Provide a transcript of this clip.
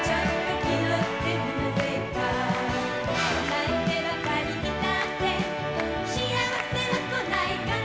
「泣いてばかりいたって幸せは来ないから」